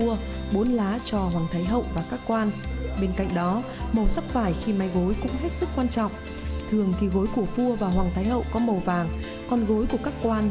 rồi là chuyên được khẩn thì cả tháng nữa